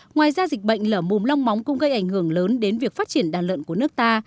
ngoài ra dịch bệnh lở mồm long móng cũng gây ảnh hưởng lớn đến việc phát triển đàn lợn của nước ta